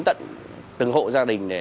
tận từng hộ gia đình